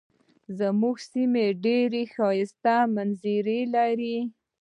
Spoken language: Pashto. زمونږ سیمه ډیرې ښایسته منظرې لري.